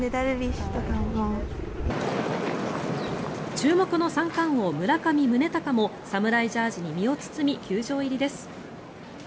注目の三冠王、村上宗隆も侍ジャージーに身を包み球場入りです。